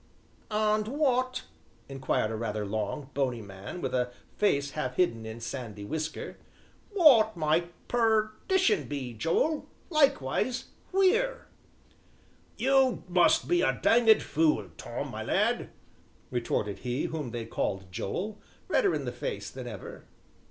"And wot," inquired a rather long, bony man with a face half hidden in sandy whisker, "wot might per dition be, Joel; likewise, wheer?" "You must be a danged fule, Tom, my lad!" retorted he whom they called Joel, redder in the face than ever.